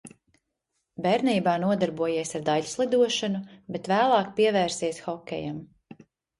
Bērnībā nodarbojies ar daiļslidošanu, bet vēlāk pievērsies hokejam.